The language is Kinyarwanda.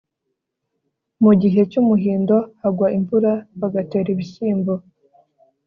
mu gihe cy'umuhindo hagwa imvura bagatera ibishyimbo